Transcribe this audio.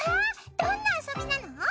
どんな遊びなの？